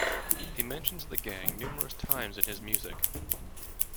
He mentions the gang numerous times in his music.